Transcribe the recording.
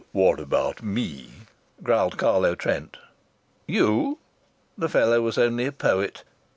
"And what about me?" growled Carlo Trent. "You!" The fellow was only a poet.